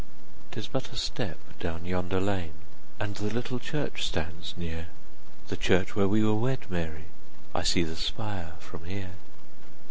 'Tis but a step down yonder lane, And the little church stands near, The church where we were wed, Mary, I see the spire from here.